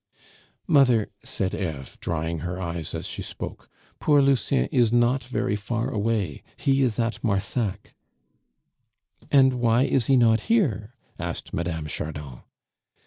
"Mother," said Eve, drying her eyes as she spoke, "poor Lucien is not very far away, he is at Marsac." "And why is he not here?" asked Mme. Chardon.